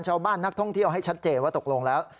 ชาวบ้านนักท่องเที่ยวให้ชัดเจนว่าตกลงแล้ว